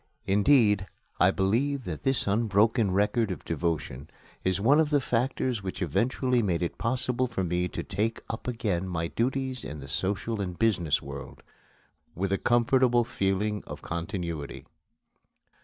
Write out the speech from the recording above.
Indeed, I believe that this unbroken record of devotion is one of the factors which eventually made it possible for me to take up again my duties in the social and business world, with a comfortable feeling of continuity.